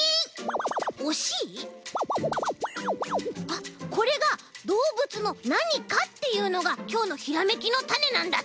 あっこれがどうぶつのなにかっていうのがきょうのひらめきのたねなんだって。